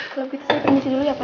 kalau begitu saya pendisi dulu ya pak